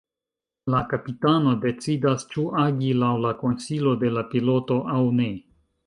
La kapitano decidas ĉu agi laŭ la konsilo de la piloto aŭ ne.